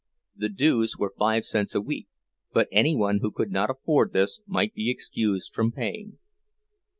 The dues were five cents a week, but any one who could not afford this might be excused from paying.